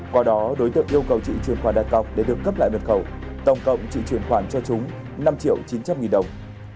qua đó đối tượng yêu cầu trị truyền khoản đại cọc để được cấp lại mật khẩu tổng cộng trị truyền khoản cho chúng năm triệu chín trăm linh nghìn đồng